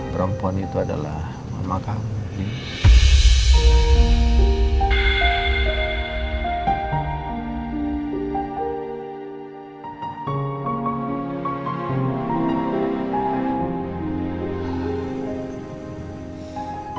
perempuan itu adalah mama kamu ini